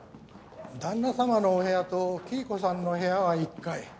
旦那様のお部屋と黄以子さんの部屋は１階。